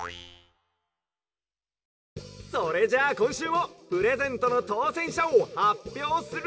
「それじゃあこんしゅうもプレゼントのとうせんしゃをはっぴょうするＹＯ！」。